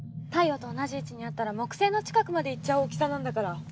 太陽と同じ位置にあったら木星の近くまで行っちゃう大きさなんだから。